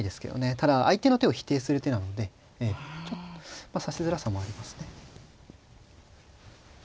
ただ相手の手を否定する手なのでええ指しづらさもありますね。